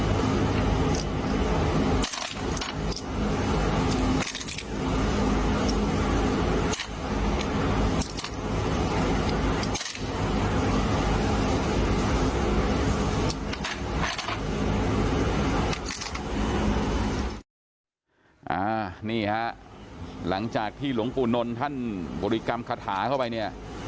นี่ฮะหลังจากที่หลวงปู่นนท์ท่านบริกรรมคาถาเข้าไปเนี่ย